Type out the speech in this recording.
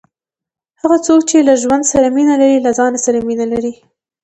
هغه څوک، چي له ژوند سره مینه لري، له ځان سره مینه لري.